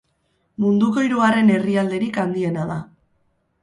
Munduko hirugarren herrialderik handiena da.